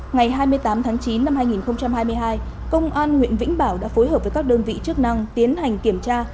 ngày hai mươi tám tháng chín năm hai nghìn hai mươi hai công an huyện vĩnh bảo đã phối hợp với các đơn vị chức năng tiến hành kiểm tra